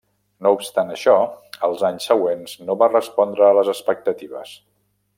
No obstant això, als anys següents no va respondre a les expectatives.